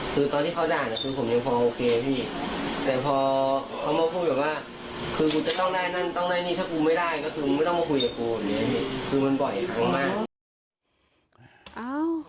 คือกูจะต้องได้นั่นกูจะต้องได้นี้